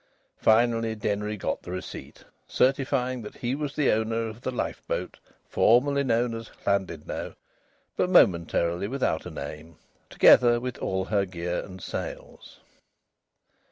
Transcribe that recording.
Finally Denry got the receipt, certifying that he was the owner of the lifeboat formerly known as Llandudno, but momentarily without a name, together with all her gear and sails.